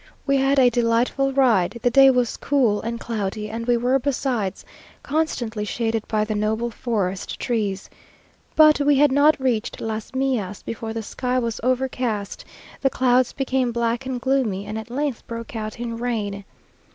We had a delightful ride, the day was cool and cloudy, and we were besides, constantly shaded by the noble forest trees. But we had not reached Las Millas before the sky was overcast, the clouds became black and gloomy, and at length broke out in rain.